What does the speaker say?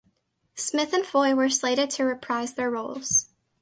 Smith and Foy were slated to reprise their roles.